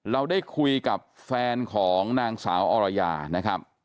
เราได้คุยกับแฟนของนางสาวอรยานะครับ